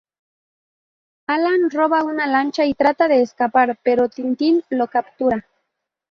Allan roba una lancha y trata de escapar, pero Tintin lo captura.